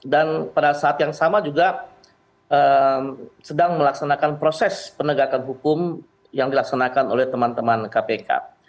dan pada saat yang sama juga sedang melaksanakan proses penegakan hukum yang dilaksanakan oleh teman teman kpk